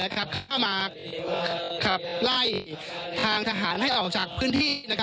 เข้ามาขับไล่ทางทหารให้ออกจากพื้นที่